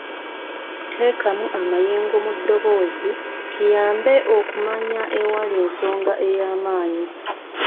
Teekamu amayengo mu ddoboozi; kiyambe okumanya ewali ensonga ey'amaanyi.